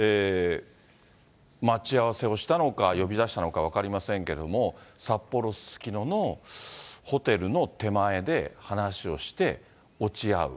待ち合わせをしたのか、呼び出したのか分かりませんけども、札幌・すすきののホテルの手前で話をして、落ち合う。